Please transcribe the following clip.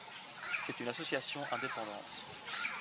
C'est une association indépendante.